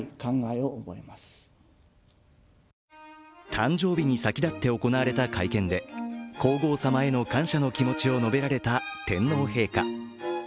誕生日に先立って行われた会見で皇后さまへの感謝の気持ちを述べられた天皇陛下。